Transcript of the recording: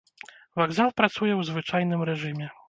Вакзал працуе ў звычайным рэжыме.